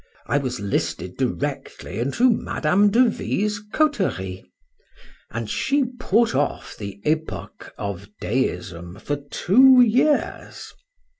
—I was listed directly into Madame de V—'s coterie;—and she put off the epocha of deism for two years.